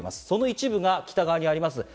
その一部が北側にあります